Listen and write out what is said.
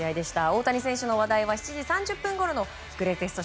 大谷選手の話題は７時３０分ごろのグレイテスト